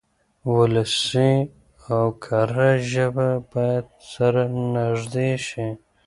ولسي او کره ژبه بايد سره نږدې شي.